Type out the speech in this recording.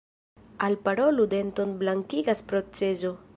Alparolu denton blankigas procezo.